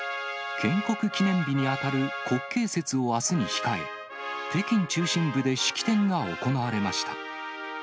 建国記念日に当たる国慶節をあすに控え、北京中心部で式典が行わ